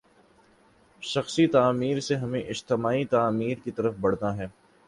شخصی تعمیر سے ہمیں اجتماعی تعمیر کی طرف بڑھنا ہے۔